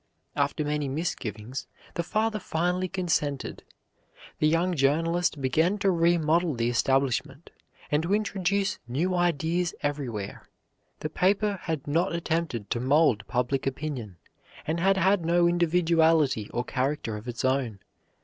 After many misgivings, the father finally consented. The young journalist began to remodel the establishment and to introduce new ideas everywhere. The paper had not attempted to mold public opinion, and had had no individuality or character of its own.